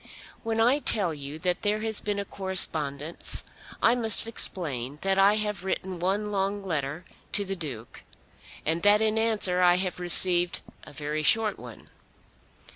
When I tell you that there has been a correspondence I must explain that I have written one long letter to the Duke, and that in answer I have received a very short one.